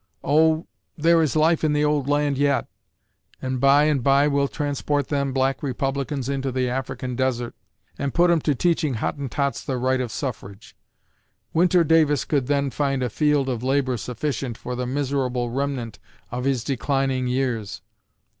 Oh, there is life in the old land yet, and by and by we'll transport them black Republicans into the African desert, and put 'em to teaching Hottentots the right of suffrage. Winter Davis could then find a field of labor sufficient for the miserable remnant of his declining years.